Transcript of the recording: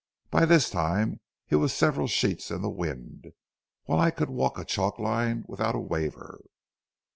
By this time he was several sheets in the wind, while I could walk a chalk line without a waver.